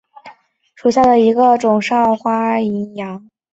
少花淫羊藿为小檗科淫羊藿属下的一个种。